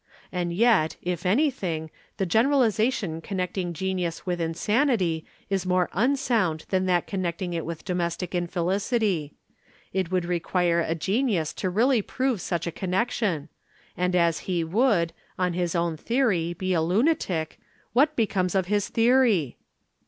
And yet, if anything, the generalization connecting genius with insanity is more unsound than that connecting it with domestic infelicity. It would require a genius to really prove such a connection, and as he would, on his own theory, be a lunatic, what becomes of his theory?"